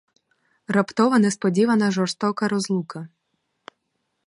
Раптова, несподівана, жорстока розлука.